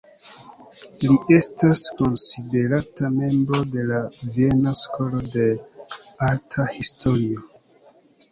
Li estas konsiderata membro de la "Viena Skolo de Arta Historio".